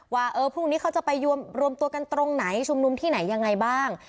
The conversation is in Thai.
ว่าพรุ่งนี้เขาจะไปรวมตัวกันตรงไหนชุมนุมที่ไหนยังไงบ้าง